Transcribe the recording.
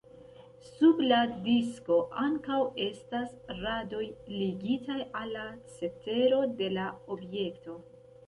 Sub la disko ankaŭ estas radoj ligitaj al la cetero de la objekto.